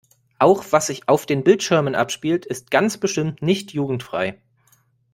Auch was sich auf den Bildschirmen abspielt ist ganz bestimmt nicht jugendfrei.